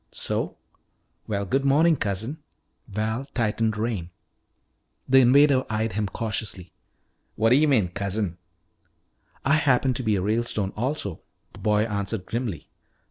"So? Well, good morning, cousin." Val tightened rein. The invader eyed him cautiously. "What d'yuh mean cousin?" "I happen to be a Ralestone also," the boy answered grimly.